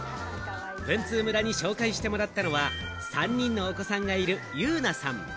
文通村に紹介してもらったのは、３人のお子さんがいるユウナさん。